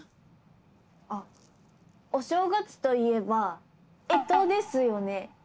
あお正月といえば干支ですよね。